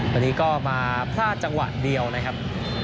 วันนี้ก็มาพลาดจังหวะเดียวนะครับ